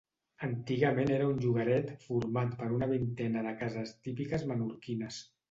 Antigament era un llogaret format per una vintena de cases típiques menorquines.